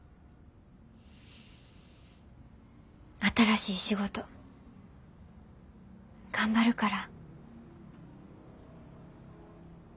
新しい仕事頑張るから。